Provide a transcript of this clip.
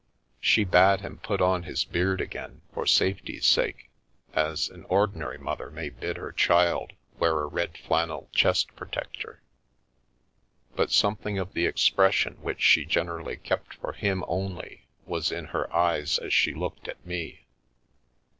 She bade him put on his beard again for safety's sake, as an ordinary mother may bid her child wear a red flannel chest protector; but something of the expression which she generally kept for him only was in her eyes as she looked at me.